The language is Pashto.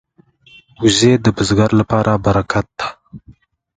وزې د بزګر لپاره برکت ده